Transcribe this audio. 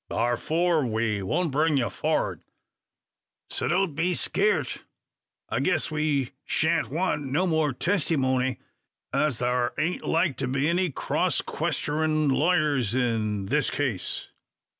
Tharfor, we won't bring ye forrad; so don't you be skeeart. I guess we shan't wan't no more testymony, as thar ain't like to be any crosskwestenin' lawyers in this case.